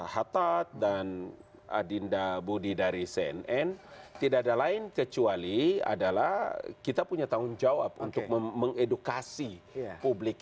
khattad dan adinda budi dari cnn tidak ada lain kecuali adalah kita punya tanggung jawab untuk mengedukasi publik